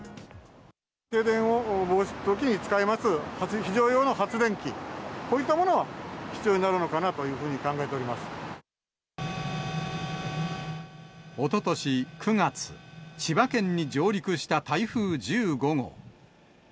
停電のときに使えます、非常用の発電機、こういったものが必要になるのかなというふうにおととし９月、千葉県に上陸した台風１５号。